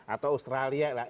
atau australia lah